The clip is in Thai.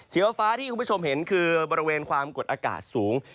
ฟ้าที่คุณผู้ชมเห็นคือบริเวณความกดอากาศสูง